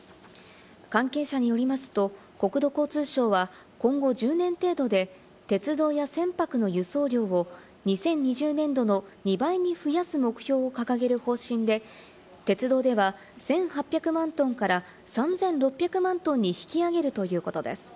関係者によりますと、国土交通省は、今後１０年程度で鉄道や船舶の輸送量を２０２０年度の２倍に増やす目標を掲げる方針で、鉄道では１８００万ｔから３６００万トンに引き上げるということです。